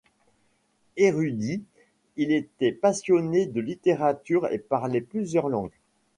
Érudit, il était passionné de littérature et parlait plusieurs langues.